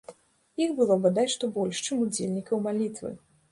Іх было бадай што больш, чым удзельнікаў малітвы.